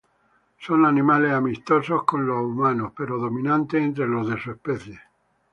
Son animales amistosos con el humano pero dominantes entre los de su especie.